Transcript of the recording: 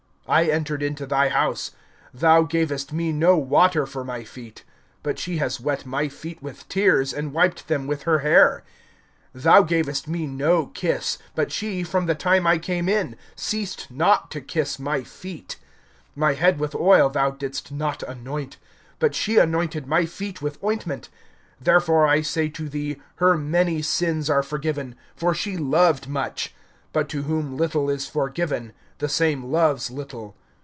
I entered into thy house, thou gayest me no water for my feet; but she has wet my feet with tears, and wiped them with her hair. (45)Thou gavest me no kiss; but she, from the time I came in, ceased not to kiss my feet. (46)My head with oil thou didst not anoint; but she anointed my feet with ointment. (47)Wherefore I say to thee, her many sins are forgiven; for she loved much. But to whom little is forgiven, the same loves little.